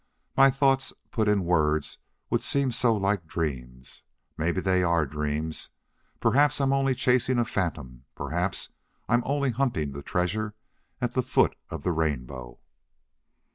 My thoughts put in words would seem so like dreams. Maybe they are dreams. Perhaps I'm only chasing a phantom perhaps I'm only hunting the treasure at the foot of the rainbow."